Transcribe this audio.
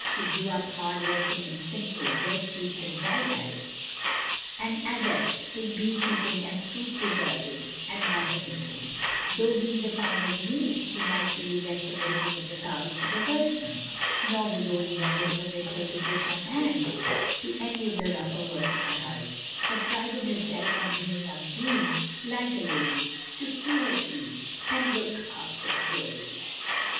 She grew up hard working and simple, red cheeked and bright eyed ; an adept in bee keeping and fruit preserving and butter making; though, being the farmer's niece, she naturally left the milking of the cows to the herdsman ; nor would old Mrs. Morgan permit her to put her hand to any of the rougher work of the house, but prided herself on bringing up Jeanne "like a lady" to sew her seam, and look after the dairy.